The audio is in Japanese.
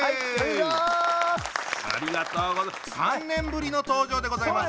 ３年ぶりの登場でございます。